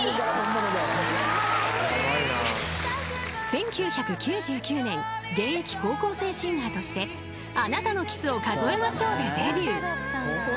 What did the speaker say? ［１９９９年現役高校生シンガーとして『あなたのキスを数えましょう』でデビュー］